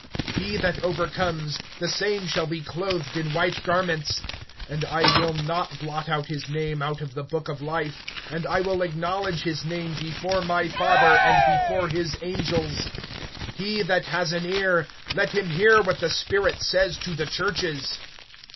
(5)He that overcomes, the same shall be clothed[3:5] in white garments; and I will not blot out his name out of the book of life, and I will acknowledge his name before my Father, and before his angels. (6)He that has an ear, let him hear what the Spirit says to the churches.